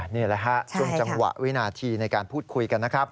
นี่แหละฮะช่วงจังหวะวินาทีในการพูดคุยกันนะครับ